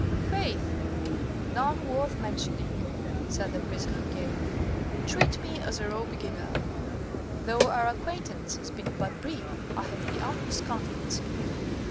"Faith! none worth mentioning," said the prisoner gaily. "Treat me as a raw beginner. Though our acquaintance has been but brief, I have the utmost confidence in you."